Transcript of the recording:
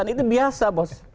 itu biasa bos